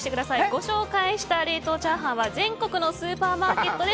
ご紹介した冷凍チャーハンは全国のスーパーマーケットで。